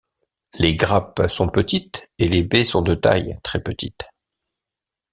Les grappes sont petites et les baies sont de taille très petite.